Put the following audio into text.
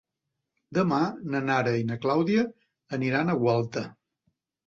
Demà na Nara i na Clàudia aniran a Gualta.